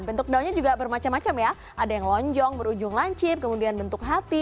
bentuk daunnya juga bermacam macam ya ada yang lonjong berujung lancip kemudian bentuk hati